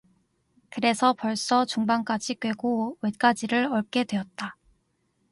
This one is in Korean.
그래서 벌써 중방까지 꿰고 욋가지를 얽게 되었다.